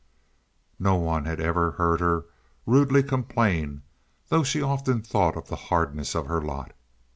No one had ever heard her rudely complain, though she often thought of the hardness of her lot.